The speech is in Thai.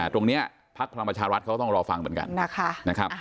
ตรงนี้พรรณประชาวัฒน์เขาต้องรอฟังเหมือนกัน